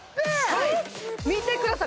はい見てください